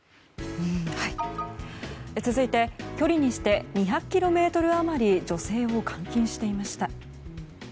続いて、距離にして２００ｋｍ余り女性を監禁していました。